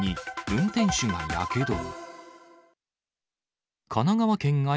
運転手がやけど。